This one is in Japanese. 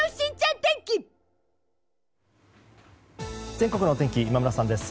全国の天気今村さんです。